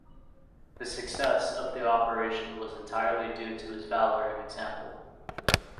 The success of the operation was entirely due to his valour and example.